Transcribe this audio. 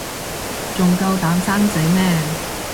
仲夠膽生仔咩